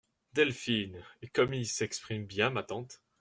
Delphine Et comme ils s'expriment bien, ma tante !